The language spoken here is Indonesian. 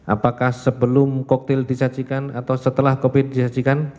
apakah sebelum koktil disajikan atau setelah kopi disajikan